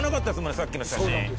さっきの写真